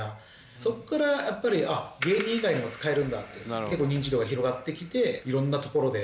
そこからやっぱり芸人以外でも使えるんだって結構認知度が広がってきて色んなところで。